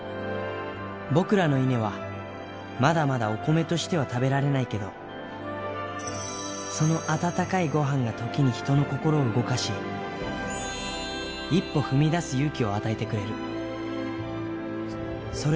僕らの稲はまだまだお米としては食べられないけど、その温かいごはんが時に人の心を動かし、一歩踏み出す勇気を与えてくれる。